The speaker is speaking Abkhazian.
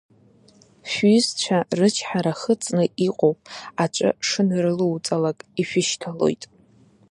Шәҩызцәа рычҳара хыҵны иҟоуп, аҵәы шынарылоуҵалак, ишәышьҭалоит.